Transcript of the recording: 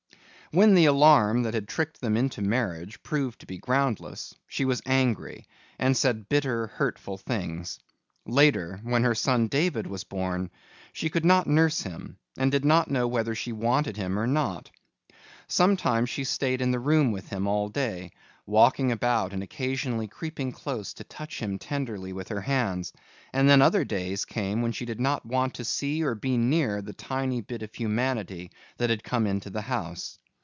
When the alarm that had tricked them into marriage proved to be groundless, she was angry and said bitter, hurtful things. Later when her son David was born, she could not nurse him and did not know whether she wanted him or not. Sometimes she stayed in the room with him all day, walking about and occasionally creeping close to touch him tenderly with her hands, and then other days came when she did not want to see or be near the tiny bit of humanity that had come into the house.